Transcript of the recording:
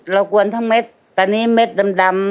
กวนทั้งเม็ดตอนนี้เม็ดดำ